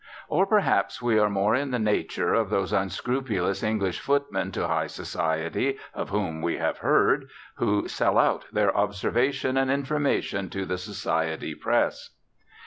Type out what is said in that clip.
Or perhaps we are more in the nature of those unscrupulous English footmen to high society, of whom we have heard, who "sell out" their observation and information to the society press.